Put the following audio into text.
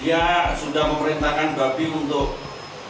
dia sudah memerintahkan babi untuk